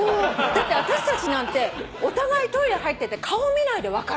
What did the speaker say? だって私たちなんてお互いトイレ入ってて顔見ないで分かる。